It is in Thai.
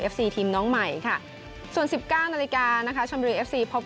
ทีมน้องใหม่ค่ะส่วน๑๙นาฬิกานะคะชมบุรีเอฟซีพบ